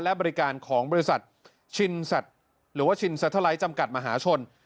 และบริการของบริษัทชินสัตลัยจำกัดมหาชน